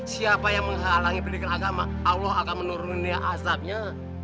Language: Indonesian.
siapa yang menghalangi pendidikan agama allah akan menuruni azabnya